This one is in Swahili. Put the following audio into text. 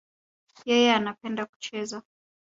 Yeye anapenda kucheza.